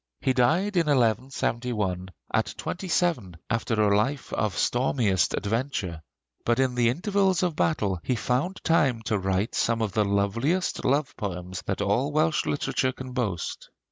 He died in 1171 at twenty seven, after a life of stormiest adventure; but in the intervals of battle he found time to write some of the loveliest love poems that all Welsh literature can boast.